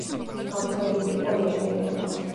გავრცელებული იყო მეჩაიეობა.